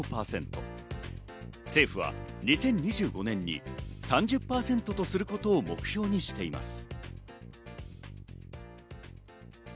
政府は２０２５年に３０％とすることを目標にしています。